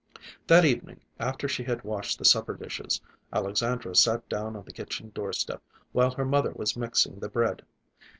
That evening, after she had washed the supper dishes, Alexandra sat down on the kitchen doorstep, while her mother was mixing the bread.